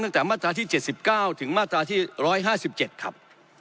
ตั้งแต่มาตราที่๗๙ถึงมาตราที่๑๕๗ครับ